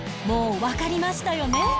もうわかりましたよね？